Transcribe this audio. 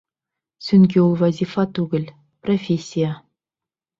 Сөнки ул вазифа түгел, профессия.